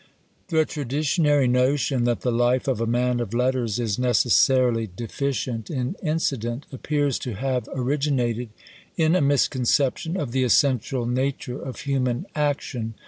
The traditionary notion that the life of a man of letters is necessarily deficient in incident, appears to have originated in a misconception of the essential nature of human action.